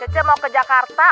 cece mau ke jakarta